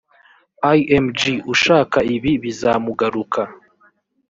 img ushaka ibibi bizamugaruka